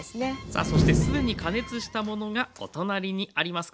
さあそして既に加熱したものがお隣にあります。